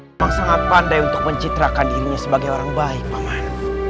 memang sangat pandai untuk mencitrakan dirinya sebagai orang baik paman